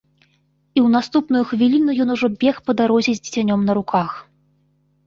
І ў наступную хвіліну ён ужо бег па дарозе з дзіцянём на руках.